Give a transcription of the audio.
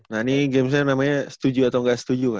nah ini gamesnya namanya setuju atau enggak setuju kak